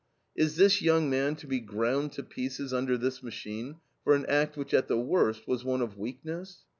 Is this young man to be ground to pieces under this machine for an act which, at the worst, was one of weakness?